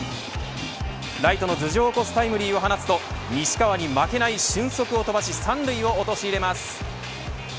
ライトの頭上を越すタイムリーを放つと西川に負けない俊足を飛ばし３塁を陥れます。